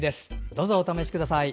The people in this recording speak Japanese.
どうぞお試しください。